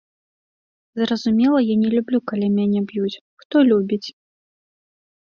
Зразумела, я не люблю, калі мяне б'юць, хто любіць?